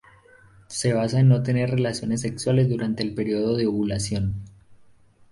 Se basa en no tener relaciones sexuales durante el período de ovulación.